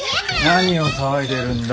何を騒いでるんだ？